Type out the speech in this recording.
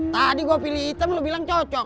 tadi gue pilih hitam lo bilang cocok